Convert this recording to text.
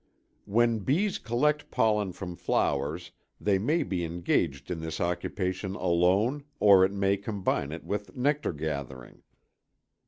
When bees collect pollen from flowers they may be engaged in this occupation alone or may combine it with nectar gathering.